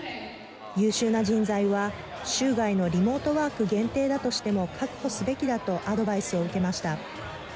優秀な人材は、州外のリモートワーク限定だとしても確保すべきだとアドバイスを受けました。